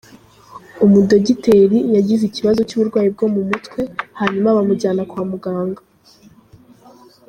Umudogiteri yagize ikibazo cy’uburwayi bwo mu mutwe hanyuma bamujyana kwa muganga.